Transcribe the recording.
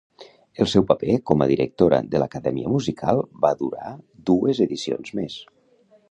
El seu paper com a directora de l'Acadèmia musical va durar dues edicions més.